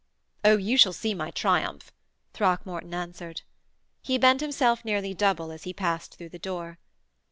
'Oh, you shall see my triumph!' Throckmorton answered. He bent himself nearly double as he passed through the door.